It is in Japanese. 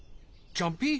ジャンピー？